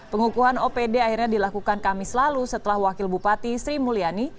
pengukuhan opd akhirnya dilakukan kamis lalu setelah wakil bupati sri mulyani